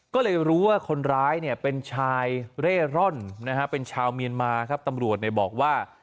ก็เลยรู้ว่าคนร้ายเป็นชายเร่ร่อนเป็นชาวเมียนมาตำรวจบอกว่า